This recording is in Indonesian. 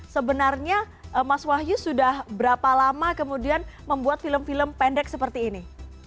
sebenarnya mas wahyu sudah berapa lama kemudian membuat film film pendek seperti ini